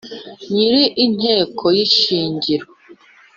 nyiri inteko y’ishingiro